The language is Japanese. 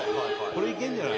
これいけるんじゃない？